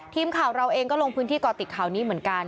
ทีมข่าวเราเองก็ลงพื้นที่ก่อติดข่าวนี้เหมือนกัน